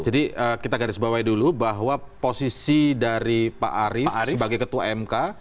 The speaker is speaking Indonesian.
jadi kita garis bawahi dulu bahwa posisi dari pak arief sebagai ketua mk